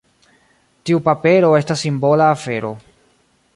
Tiu papero estas simbola afero.